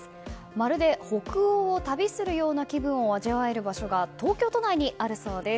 まるで北欧を旅するような気分を味わえる場所が東京都内にあるそうです。